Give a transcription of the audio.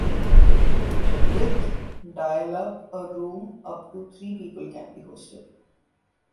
With dial-up, a room up to three people can be hosted.